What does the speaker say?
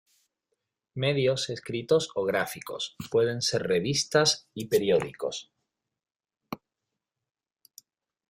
Medios escritos o gráficos: Pueden ser revistas y periódicos.